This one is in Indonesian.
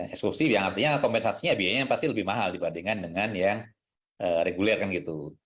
eksklusif yang artinya kompensasinya biayanya pasti lebih mahal dibandingkan dengan yang reguler kan gitu